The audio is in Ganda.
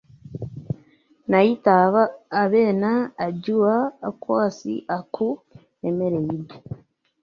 Naayita, Abena, Ajua, Akwasi, Aku, emmere eyidde!